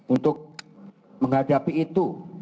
untuk menghadapi itu